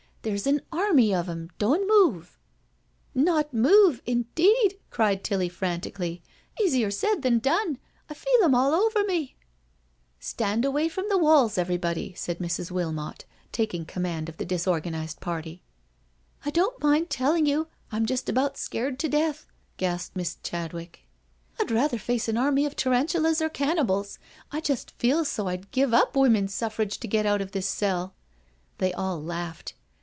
" There's an army of 'em; doan' move I" " Not move, indeed I " cried Tilly frantically. " Easier said than done I I feel 'em all over me," J 114 NO SURRENDER " Stand away from the walls everybody/* said Mrs. Wilmot, taking command of the disorganised party. " I don't mind telling you, I'm just about scared to death/' gasped poor Miss Chadwick. "I'd rather face an army of tarantulas or cannibals — I just feel so I'd give up Women's Suffrage to get out of this cell/' They all laughed.